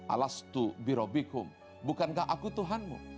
alastu birobikum bukankah aku tuhanmu